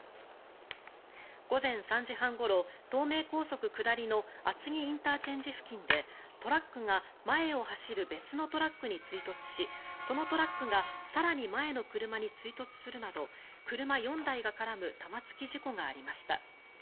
午前３時半ごろ東名高速下りの厚木ＩＣ付近でトラックが前を走る別のトラックに追突しそのトラックが更に前の車に追突するなど車４台が絡む玉突き事故がありました。